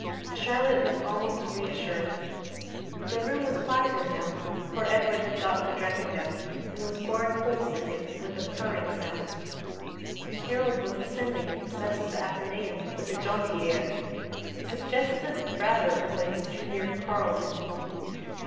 Charlotte looked almost reassured. The room was quieter now, for Edward had got the dragon down and was boring holes in him with a purring sound Harold was ascending the steps of the Athenaeum with a jaunty air suggestive rather of the Junior Carlton.